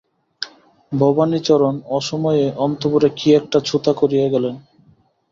ভবানীচরণ অসময়ে অন্তঃপুরে কী একটা ছুতা করিয়া গেলেন।